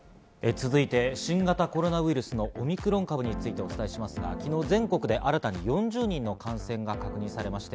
続いて新型コロナウイルスのオミクロン株についてお伝えしてきますが、昨日全国で新たに４０人の感染が確認されまして。